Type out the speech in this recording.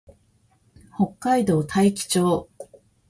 北海道大樹町